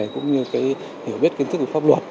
cũng như cái hiểu biết kiến thức của pháp luật